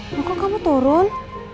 kok kamu turun